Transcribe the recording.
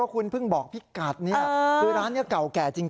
คุณเพิ่งบอกพี่กัดนี่คือร้านนี้เก่าแก่จริง